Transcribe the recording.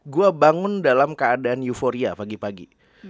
gue bangun dalam keadaan euforia pagi pagi